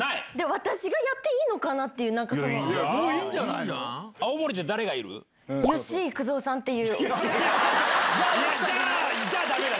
私がやっていいのかなっていう、なんか。